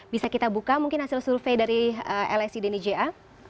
bisa kita buka mungkin hasil survei dari lsi dnija